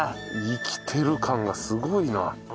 生きてる感がすごいな。